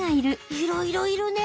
いろいろいるね。